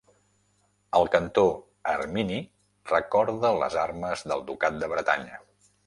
El cantó ermini recorda les armes del Ducat de Bretanya.